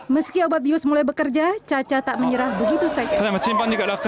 meski obat bius mulai bekerja caca tak menyerah begitu saja